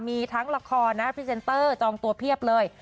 มีทั้งละครนะพรีเซนเตอร์จองตัวเพียบเลย